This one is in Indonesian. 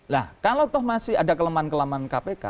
nah kalau masih ada kelemahan kelemahan kpk